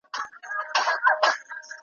وایي؛ ابا مې بیا تر اخیري ورځې پورې ونۀ لیدۀ.